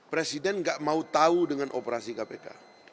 presiden nggak mau tahu dengan operasi kpk